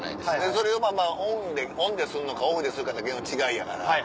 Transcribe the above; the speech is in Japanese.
それをオンでするのかオフでするかだけの違いやから。